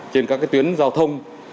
trên các tuyến giao thông